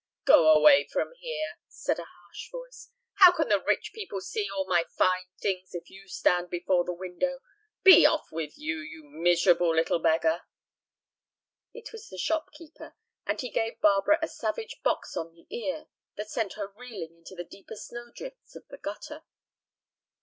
"Go away from here!" said a harsh voice. "How can the rich people see all my fine things if you stand before the window? Be off with you, you miserable little beggar!" It was the shopkeeper, and he gave Barbara a savage box on the ear that sent her reeling into the deeper snowdrifts of the gutter.